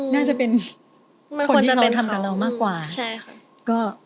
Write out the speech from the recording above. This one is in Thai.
น่าจะเป็นคนที่เขาทำกับเรามากกว่าใช่ค่ะมันควรจะเป็นเขา